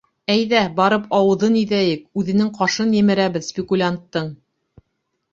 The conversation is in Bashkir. Әйҙә, барып ауыҙын иҙәйек, үҙенең ҡашын емерәбеҙ спекулянттың!